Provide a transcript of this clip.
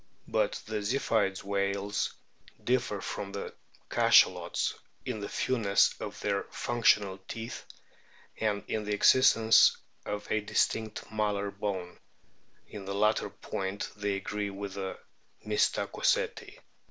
But the Ziphioid whales differ from the Cachalots in the fewness of their functional teeth and in the existence of a distinct malar bone ; in the latter point they agree with the Mystacoceti.